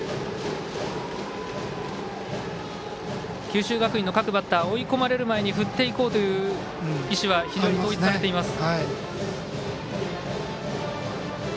九州学院の各バッター追い込まれる前に振っていこうという意思は非常に統一されています。